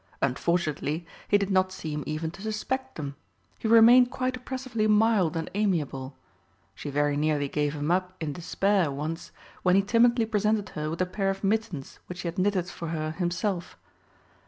Unfortunately, he did not seem even to suspect them; he remained quite oppressively mild and amiable. She very nearly gave him up in despair once when he timidly presented her with a pair of mittens which he had knitted for her himself.